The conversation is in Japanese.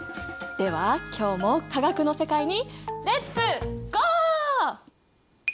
では今日も化学の世界にレッツゴー！